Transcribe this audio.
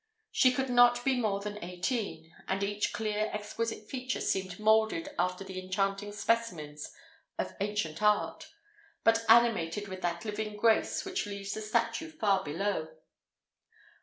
She could not be more than eighteen, and each clear, exquisite feature seemed moulded after the enchanting specimens of ancient art, but animated with that living grace which leaves the statue far below.